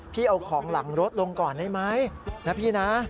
เอาของหลังรถลงก่อนได้ไหมนะพี่นะ